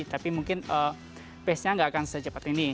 tapi mungkin pace nya nggak akan secepat ini